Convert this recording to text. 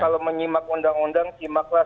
kalau menyimak undang undang simaklah